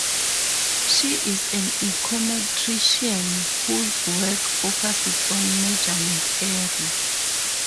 She is an econometrician whose work focuses on measurement error.